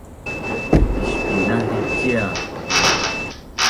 Ispinahip cia